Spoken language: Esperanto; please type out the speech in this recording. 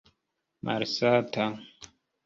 malsata